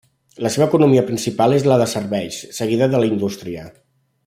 La seva economia principal és la de serveis, seguida de la indústria.